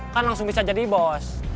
kan langsung bisa jadi bos